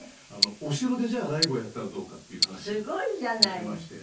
お城でじゃあライブをやったらどうかっていう話になりまして。